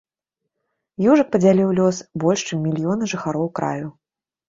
Южык падзяліў лёс больш чым мільёна жыхароў краю.